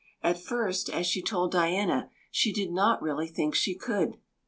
At first, as she told Diana, she did not really think she could.